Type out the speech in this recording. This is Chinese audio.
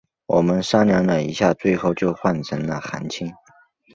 我们商量了一下最后就换成了韩青。